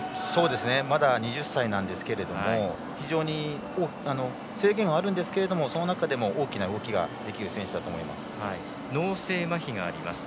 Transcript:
まだ２０歳ですが非常に制限はあるんですけれどもその中でも大きな動きができる選手だと脳性まひがあります。